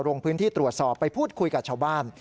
ลงพื้นที่ตรวจสอบไปพูดคุยกับชาวบ้าน